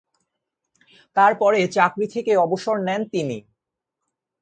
তার পরে চাকরি থেকে অবসর নেন তিনি।